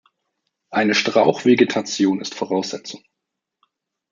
Eine Strauchvegetation ist Voraussetzung.